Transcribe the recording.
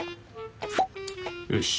よし。